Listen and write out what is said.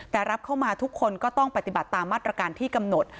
แต่รับเข้ามาทุกคนก็ต้องปฏิบัติตามมาตรการที่กำหนด